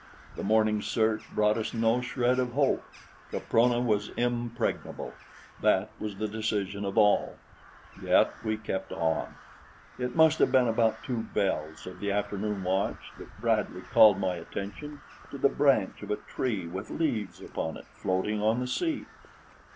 The morning's search brought us no shred of hope. Caprona was impregnable that was the decision of all; yet we kept on. It must have been about two bells of the afternoon watch that Bradley called my attention to the branch of a tree, with leaves upon it, floating on the sea.